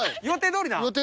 予定どおりなん？